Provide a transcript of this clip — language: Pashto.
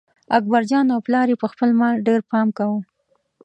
اکبرجان او پلار یې په خپل مال ډېر پام کاوه.